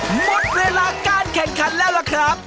หมดเวลาการแข่งขันแล้วล่ะครับ